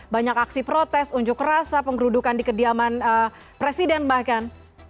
banyak aksi protes unjuk rasa penggerudukan di kediaman presiden bahkan